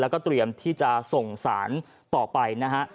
แล้วก็เตรียมที่จะส่งสารต่อไปนะฮะ